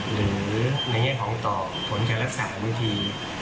หรือในย่างของต่อผลการรักษามือที